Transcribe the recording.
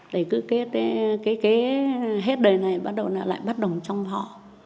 để cứ cái hết đời này bắt đầu lại bắt đồng trong họ